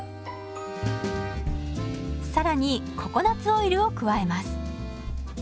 更にココナツオイルを加えます。